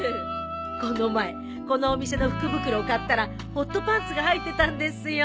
この前このお店の福袋買ったらホットパンツが入ってたんですよ。